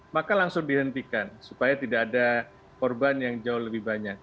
maka langsung dihentikan supaya tidak ada korban yang jauh lebih banyak